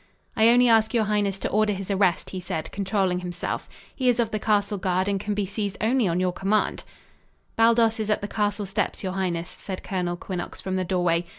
"I only ask your highness to order his arrest," he said, controlling himself. "He is of the castle guard and can be seized only on your command." "Baldos is at the castle steps, your highness," said Colonel Quinnox from the doorway.